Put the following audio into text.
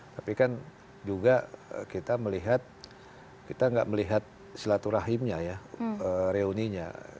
tapi kan juga kita melihat kita nggak melihat silaturahimnya ya reuninya